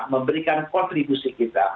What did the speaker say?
memberikan kontribusi kita